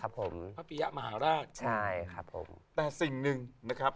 พระปริยะมหาลาคแต่สิ่งหนึ่งนะครับ